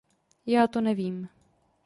Já to nevím.